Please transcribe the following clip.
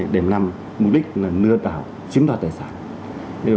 đềm nằm mục đích là nưa vào chiếm đoạt tài sản